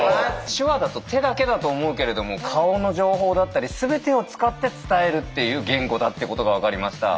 手話だと手だけだと思うけれども顔の情報だったり全てを使って伝えるっていう言語だってことが分かりました。